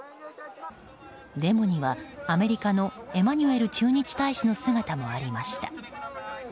デモにはアメリカのエマニュエル駐日大使の姿もありました。